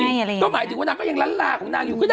ก็หมายถึงว่ามันควรลั้นลาของนางอยู่